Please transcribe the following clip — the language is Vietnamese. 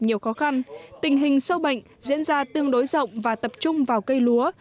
nhiều khó khăn tình hình sâu bệnh diễn ra tương đối rộng và tập trung vào cây lúa